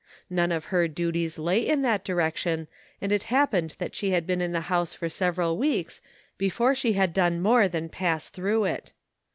None of her duties lay in that direction, and it happened that she had been in the house for several weeks before she had done more than pass through it.